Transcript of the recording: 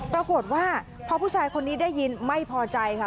ปรากฏว่าพอผู้ชายคนนี้ได้ยินไม่พอใจค่ะ